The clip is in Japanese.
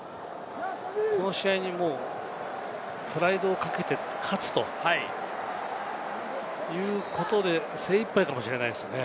この試合にプライドをかけて勝つということで精いっぱいかもしれないですね。